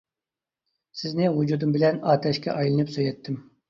سىزنى ۋۇجۇدۇم بىلەن ئاتەشكە ئايلىنىپ سۆيەتتىم.